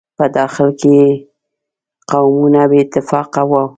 په داخل کې یې قومونه بې اتفاقه وو.